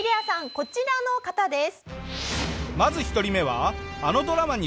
こちらの方です。